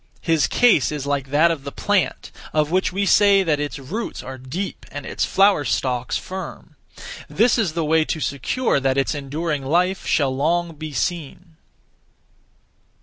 His case is like that (of the plant) of which we say that its roots are deep and its flower stalks firm: this is the way to secure that its enduring life shall long be seen.